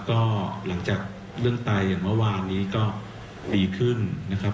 ก็หลังจากเรื่องตายอย่างเมื่อวานนี้ก็ดีขึ้นนะครับ